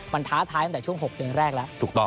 มันท้าท้ายตั้งแต่ช่วง๖เดือนแรกแล้ว